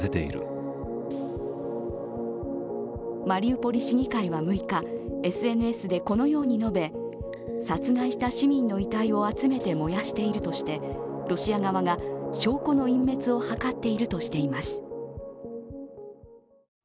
マリウポリ市議会は６日、ＳＮＳでこのように述べ殺害した市民の遺体を集めて燃やしているとしてロシア側が証拠の隠滅を図っているとしています。